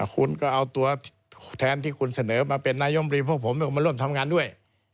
คุณก็เอาตัวแทนที่คุณเสนอมาเป็นนายมรีพวกผมมาร่วมทำงานด้วย